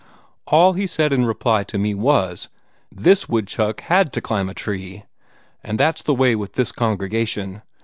All he said in reply to me was: 'This woodchuck had to climb a tree!' And that's the way with this congregation.